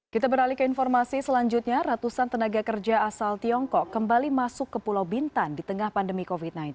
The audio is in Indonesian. kita beralih ke informasi selanjutnya ratusan tenaga kerja asal tiongkok kembali masuk ke pulau bintan di tengah pandemi covid sembilan belas